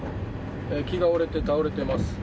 木が折れて倒れています。